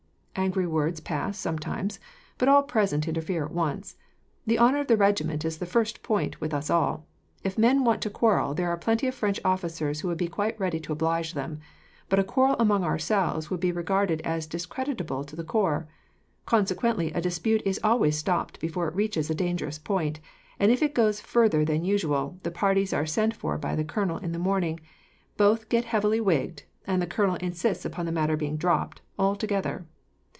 "Angry words pass, sometimes, but all present interfere at once. The honour of the regiment is the first point with us all. If men want to quarrel, there are plenty of French officers who would be quite ready to oblige them, but a quarrel among ourselves would be regarded as discreditable to the corps. Consequently, a dispute is always stopped before it reaches a dangerous point, and if it goes further than usual, the parties are sent for by the colonel in the morning, both get heavily wigged, and the colonel insists upon the matter being dropped, altogether.